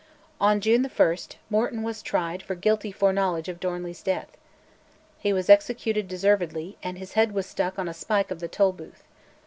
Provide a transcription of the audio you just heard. On June 1 Morton was tried for guilty foreknowledge of Darnley's death. He was executed deservedly, and his head was stuck on a spike of the Tolbooth.